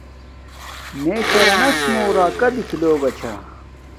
میے شرانس موں راکا دیکھی لوگا چھا